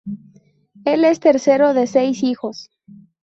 Él es tercero de seis hijos.